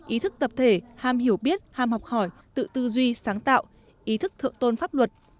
ý thức tập thể ham hiểu biết ham học hỏi tự tư duy sáng tạo ý thức thượng tôn pháp luật